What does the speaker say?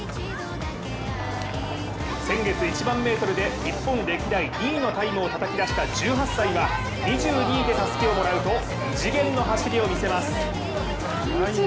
先月１００００ｍで、日本歴代２位のタイムをたたき出した１８歳は２２位でたすきをもらうと異次元の走りを見せます。